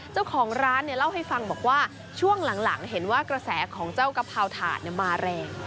เจ้าของร้านเนี่ยเล่าให้ฟังบอกว่าช่วงหลังเห็นว่ากระแสของเจ้ากะเพราถาดมาแรง